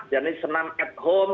jadinya senam at home